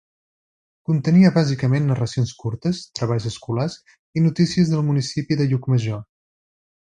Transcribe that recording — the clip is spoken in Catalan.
Contenia bàsicament narracions curtes, treballs escolars i notícies del municipi de Llucmajor.